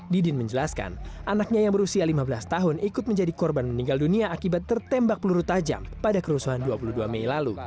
didin menjelaskan anaknya yang berusia lima belas tahun ikut menjadi korban meninggal dunia akibat tertembak peluru tajam pada kerusuhan dua puluh dua mei lalu